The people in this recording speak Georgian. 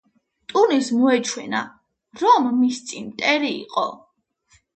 ტურინს მოეჩვენა, რომ მის წინ მტერი იყო.